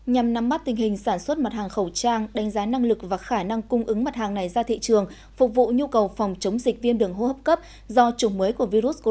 nhằm nắm mắt tình hình sản xuất mặt hàng khẩu trang đánh giá năng lực và khả năng cung ứng mặt hàng này ra thị trường phục vụ nhu cầu phòng chống dịch viêm đường hô hấp cấp do chủng mới của virus corona